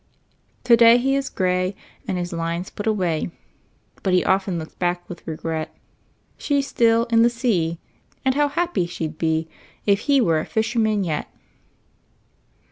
To day he is gray, and his line's put away, But he often looks back with regret; She's still "in the sea," and how happy she'd be If he were a fisherman yet!